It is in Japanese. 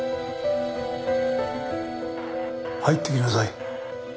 入ってきなさい。